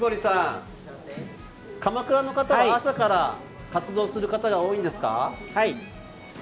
鎌倉の方は朝から活動する方が多いんですか？